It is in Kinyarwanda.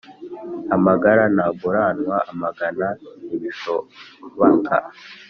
Amagara ntaguranwa amagana ntibishobaka